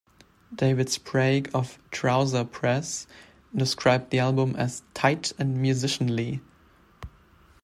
David Sprague of "Trouser Press" described the album as "tight and musicianly".